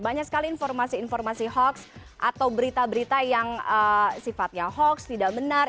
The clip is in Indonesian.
banyak sekali informasi informasi hoax atau berita berita yang sifatnya hoax tidak benar